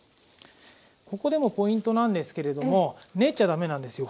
ここでもポイントなんですけれども練っちゃ駄目なんですよ。